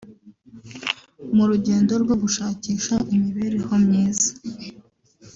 mu rugendo rwo gushakisha imibereho myiza